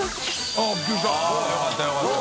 あっよかったよかった。